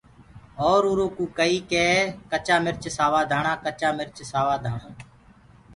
اور اُرو ڪوُ تو ڪئيٚ ڪي چآ مِرچ سوآ ڌآڻآ ڪچآ مرچ سوآ ڌآڻآ۔